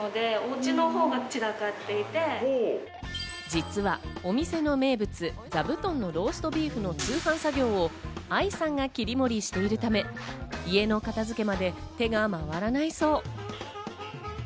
実はお店の名物ザブトンのローストビーフの通販作業を愛さんが切り盛りしているため、家の片付けまで手が回らないそう。